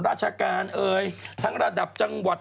ราชการเอ่ยทั้งระดับจังหวัด